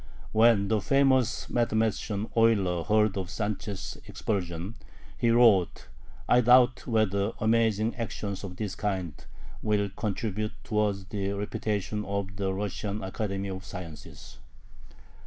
When the famous mathematician Euler heard of Sanchez' expulsion, he wrote: "I doubt whether amazing actions of this kind will contribute towards the reputation of the Russian Academy of Sciences."